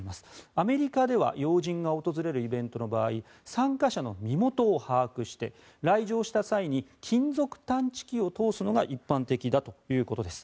アメリカでは要人が訪れるイベントの場合参加者の身元を把握して来場した際に金属探知機を通すのが一般的だということです。